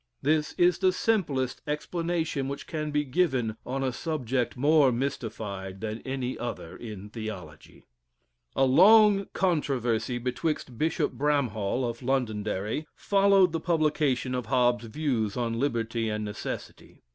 This is the simplest explanation which can be given on a subject more mystified than any other in theology. A long controversy betwixt Bishop Bramhall, of Londonderry, followed the publication of Hobbes's views on Liberty and Necessity.